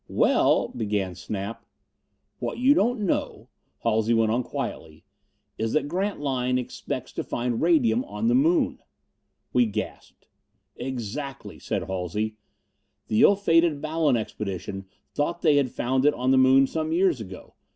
"Well " began Snap. "What you don't know," Halsey went on quietly, "is that Grantline expects to find radium on the Moon." We gasped. "Exactly," said Halsey. "The ill fated Ballon Expedition thought they had found it on the Moon some years ago.